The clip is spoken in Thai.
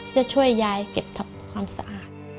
จะช่วยยายเก็บทำความสะอาด